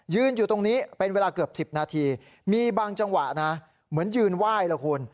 อยู่ตรงนี้เป็นเวลาเกือบ๑๐นาทีมีบางจังหวะนะเหมือนยืนไหว้ล่ะคุณ